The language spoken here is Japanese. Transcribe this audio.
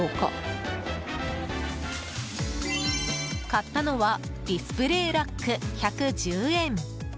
買ったのはディスプレーラック、１１０円。